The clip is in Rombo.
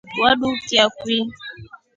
Wadukia kwii?